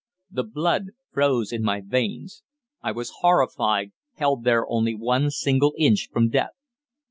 The blood froze in my veins. I was horrified, held there only one single inch from death.